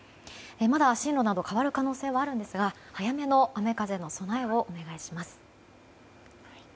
まだ進路など変わる可能性はあるんですが早めの雨風の備えをお願いします。